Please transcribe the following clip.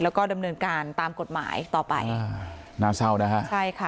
แล้วก็ดำเนินการตามกฎหมายต่อไปอ่าน่าเศร้านะฮะใช่ค่ะ